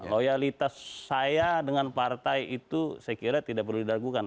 loyalitas saya dengan partai itu saya kira tidak perlu didagukan